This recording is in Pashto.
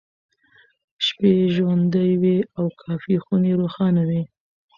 شپې یې ژوندۍ وې او کافيخونې روښانه وې.